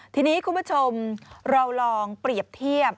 ทีนี้คุณผู้ชมเราลองเปรียบเทียบ